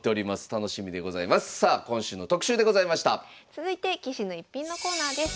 続いて「棋士の逸品」のコーナーです。